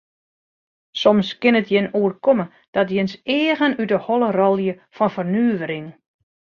Soms kin it jin oerkomme dat jins eagen út de holle rôlje fan fernuvering.